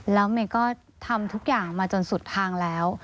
แล้วเมย์ก็ทำทุกอย่างมาจนสุดทางแล้ว